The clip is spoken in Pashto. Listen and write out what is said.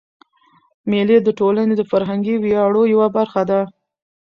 مېلې د ټولني د فرهنګي ویاړو یوه برخه ده.